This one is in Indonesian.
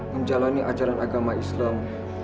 menjalani ajaran agama islam